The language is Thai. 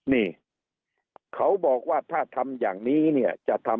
นี่เขาบอกว่าถ้าทำอย่างนี้เนี่ยจะทำ